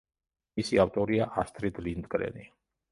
მისი ავტორია ასტრიდ ლინდგრენი.